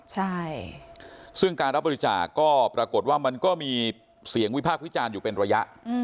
ใช่ซึ่งการรับบริจาคก็ปรากฏว่ามันก็มีเสียงวิพากษ์วิจารณ์อยู่เป็นระยะ